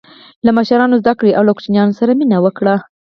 له مشرانو زده کړه او له کوچنیانو سره مینه وکړه.